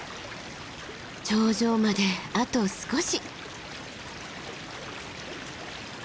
頂上まであと少し。